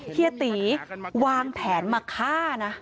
เฮียตีวางแผนมาฆ่านะ